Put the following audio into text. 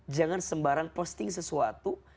jangan sembarang posting sesuatu